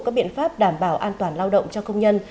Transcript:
các biện pháp đảm bảo an toàn lao động cho công nhân